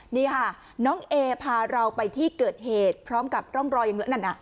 นี่ค่ะน้องเอพาเราไปที่เกิดเหตุพร้อมกับร่องรอยอย่างนั้น